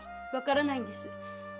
わからないんです。